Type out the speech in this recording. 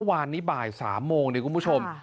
วันนี้บ่าย๓โมงเนี่ยคุณผู้ชม